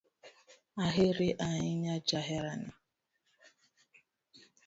Aheri ahinya jaherana